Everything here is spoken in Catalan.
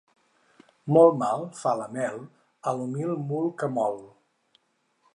Molt mal fa la mel a l'humil mul que mol.